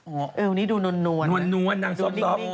เออวันนี้ดูนวนนางซ้อม